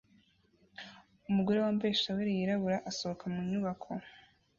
Umugore wambaye shaweli yirabura asohoka mu nyubako